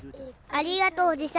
ありがとうおじさん。